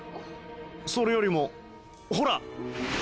それよりもほら。